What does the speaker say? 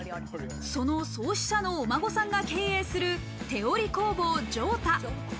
その創始者のお孫さんが経営する手織工房じょうた。